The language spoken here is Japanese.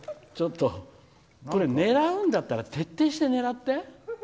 これ狙うんだったら徹底して狙って？